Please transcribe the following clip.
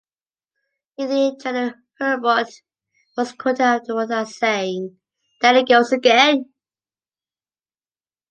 Union General Hurlbut was quoted afterward as saying, There it goes again!